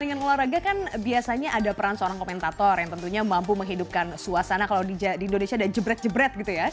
dengan olahraga kan biasanya ada peran seorang komentator yang tentunya mampu menghidupkan suasana kalau di indonesia ada jebret jebret gitu ya